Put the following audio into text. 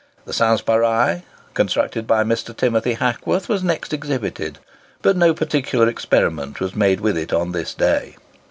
The "Sanspareil," constructed by Mr. Timothy Hackworth, was next exhibited; but no particular experiment was made with it on this day.